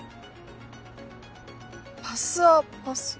パスアパス。